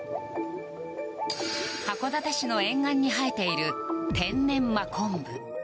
函館市の沿岸に生えている天然真昆布。